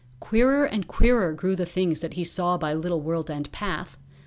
Queerer and queerer grew the things that he saw by little World End Path.